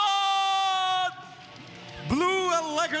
โอ้โหเดือดจริงครับ